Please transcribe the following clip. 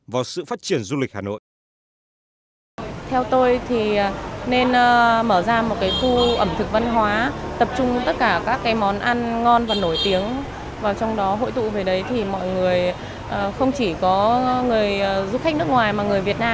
cho sự phát triển du lịch hà nội